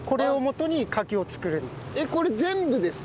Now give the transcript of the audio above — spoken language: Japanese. これ全部ですか？